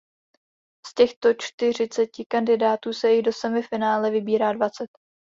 Z těchto čtyřiceti kandidátů se jich do semifinále vybírá dvacet.